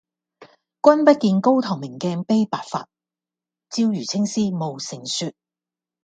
君不見，高堂明鏡悲白發，朝如青絲暮成雪。